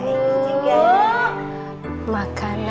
makanan spesial masakannya